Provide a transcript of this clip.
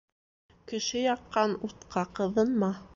Кеше яҡҡан утҡа ҡыҙынма.